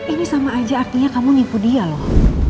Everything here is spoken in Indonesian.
ini sama aja artinya kamu nipu dia loh